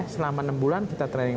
selama enam bulan kita training